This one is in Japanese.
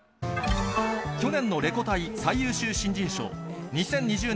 去年のレコ大最優秀新人賞、２０２０年